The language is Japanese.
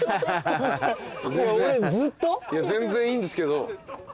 全然いいんですけど。